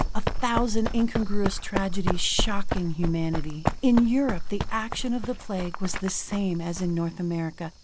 A thousand incongruous tragedies shocking humanity. In Europe the action of the Plague was the same as in North America.